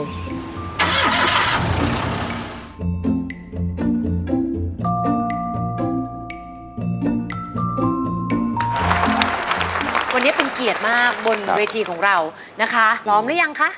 วันนี้เป็นเกียรติมากบนเวทีของเรานะคะพร้อมหรือยังคะ